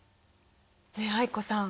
ねえ藍子さん。